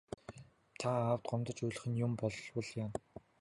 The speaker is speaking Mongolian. Та аавд гомдож уйлах юм болбол яана.